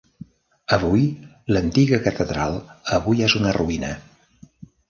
Avui, l'antiga catedral avui és una ruïna.